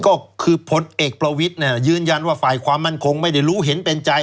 ก็คือผลเอกประวิทย์ยืนยันว่าฝ่ายความมั่นคงไม่ได้รู้เห็นเป็นใจ